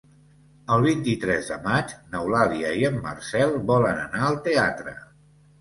El vint-i-tres de maig n'Eulàlia i en Marcel volen anar al teatre.